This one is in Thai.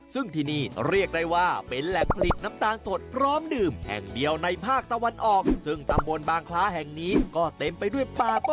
สปัดทั่วไทย